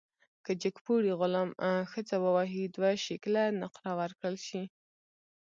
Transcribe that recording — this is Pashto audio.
که جګپوړي غلام ښځه ووهي، دوه شِکِله نقره ورکړل شي.